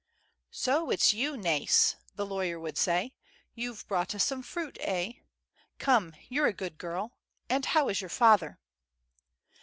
"So it's you, Nais," the lawyer would say. "You've brought us some fruit, eh ? Come, you're a good girl. And how is your father?"